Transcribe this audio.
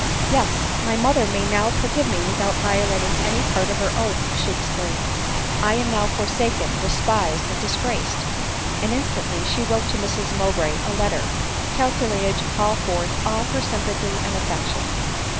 " Yes, my mother may now forgive me without violating any part of her oath," she exclaimed. "I am now forsaken, despised and dis graced !"— and instantly she wrote to Mrs Mowbray a letter, calculated to call forth all her sympathy and affec tion.